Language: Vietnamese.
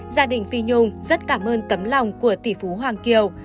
gia đình phi nhung rất cảm ơn tấm lòng của tỷ phú hoàng kiều